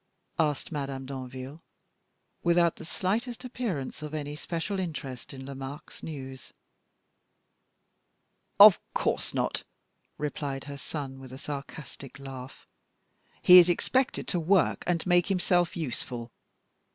asked Madame Danville, without the slightest appearance of any special interest in Lomaque's news. "Of course not," replied her son, with a sarcastic laugh; "he is expected to work and make himself useful.